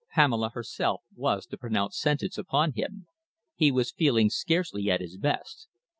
Pamela herself was to pronounce sentence upon him. He was feeling scarcely at his best.